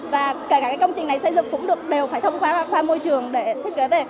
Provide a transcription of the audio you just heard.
và cả công trình này xây dựng cũng đều phải thông qua môi trường để thiết kế về